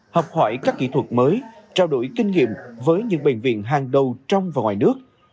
học hỏi các kỹ thuật mới trao đổi kinh nghiệm với những bệnh viện hàng đầu trong và ngoài nước